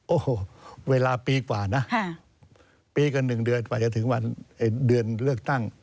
โอ้โหเวลาปีกว่านะปีก็๑เดือนกว่าจะถึงวันเดือนเลือกตั้ง